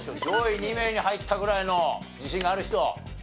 上位２名に入ったぐらいの自信ある人？